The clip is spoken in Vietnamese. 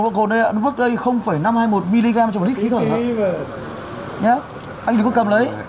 thôi từ từ anh ngay từ từ anh ngay từ từ anh ngay